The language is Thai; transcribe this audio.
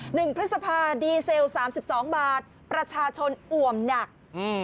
พฤษภาดีเซลสามสิบสองบาทประชาชนอ่วมหนักอืม